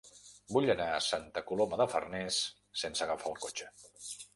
Vull anar a Santa Coloma de Farners sense agafar el cotxe.